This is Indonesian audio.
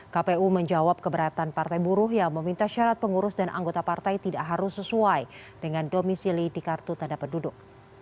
kpu menjawab keberatan partai buruh yang meminta syarat pengurus dan anggota partai tidak harus sesuai dengan domisili di kartu tanda penduduk